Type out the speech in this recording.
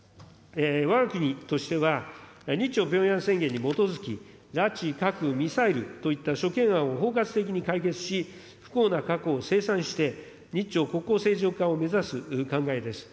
わが国としては、日朝ピョンヤン宣言に基づき、拉致、核、ミサイルといった諸懸案を包括的に解決し、不幸な過去を清算して、日朝国交正常化を目指す考えです。